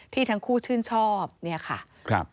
ที่ทั้งคู่ชื่นชอบ